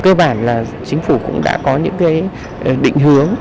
cơ bản là chính phủ cũng đã có những cái định hướng